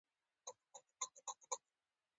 اوښ د افغانستان د زرغونتیا نښه ده.